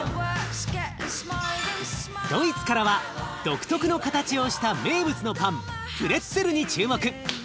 ドイツからは独特の形をした名物のパンプレッツェルに注目。